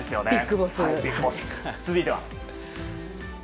続いては。